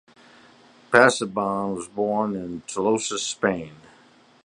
Pasaban was born in Tolosa, Spain.